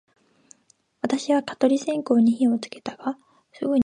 私は蚊取り線香に火をつけたが、すぐに消えてしまった